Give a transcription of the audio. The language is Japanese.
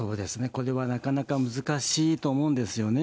これはなかなか難しいと思うんですよね。